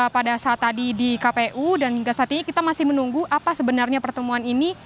pada saat tadi di kpu dan hingga saat ini kita masih menunggu apa sebenarnya pertemuan ini